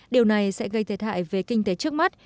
điều này sẽ gây thiệt hại về kinh tế trước mắt